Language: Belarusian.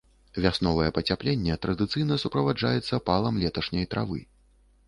Вясновае пацяпленне традыцыйна суправаджаецца палам леташняй травы.